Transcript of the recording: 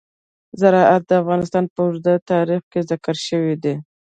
زراعت د افغانستان په اوږده تاریخ کې ذکر شوی دی.